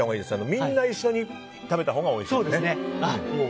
みんな一緒に食べたほうがおいしいですね。